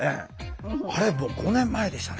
あれもう５年前でしたね。